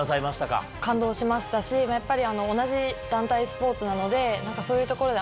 感動しましたしやっぱり同じ団体スポーツなのでそういうところで。